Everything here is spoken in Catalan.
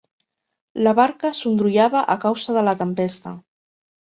La barca sondrollava a causa de la tempesta.